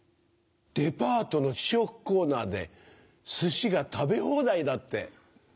デパートの試食コーナーで寿司が食べ放題だって。